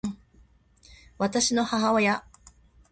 私の母親